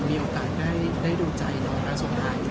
มีโอกาสอย่างนั่นผลิตดีได้ดูใจน้องรัฐสนาม